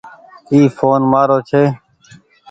اي ڦون مآرو ڇي۔